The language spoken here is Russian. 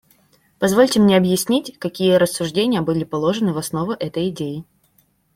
Позвольте мне объяснить, какие рассуждения были положены в основу этой идеи.